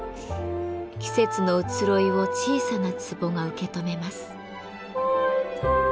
季節の移ろいを小さな壺が受け止めます。